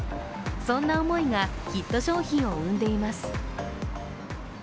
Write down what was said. そんな思いがヒット商品を生んでいます。